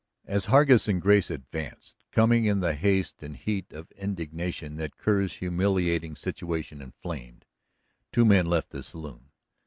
As Hargus and Grace advanced, coming in the haste and heat of indignation that Kerr's humiliating situation inflamed, two men left the saloon.